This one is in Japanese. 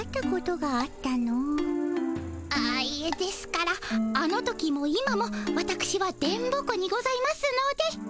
あっいえですからあの時も今もわたくしは電ボ子にございますので。